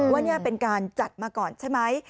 ว่านี่เป็นการจัดมาก่อนใช่ไหม